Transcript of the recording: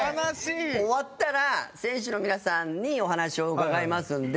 「終わったら選手の皆さんにお話を伺いますので」